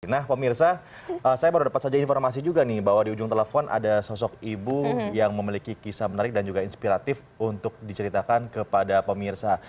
nah pemirsa saya baru dapat saja informasi juga nih bahwa di ujung telepon ada sosok ibu yang memiliki kisah menarik dan juga inspiratif untuk diceritakan kepada pemirsa